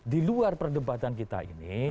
di luar perdebatan kita ini